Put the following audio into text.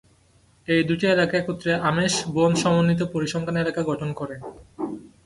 এই দুটি এলাকা একত্রে আমেস-বোন সমন্বিত পরিসংখ্যান এলাকা গঠন করে।